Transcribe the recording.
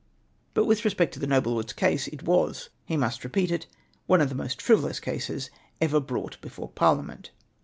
But with respect to the noble lord's case it was, he must repeat it, one of the most frivolous cases ever brought before Parliament.